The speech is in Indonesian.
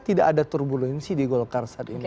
tidak ada turbulensi di golkar saat ini